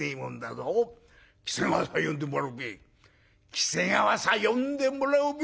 喜瀬川さ呼んでもらうべ。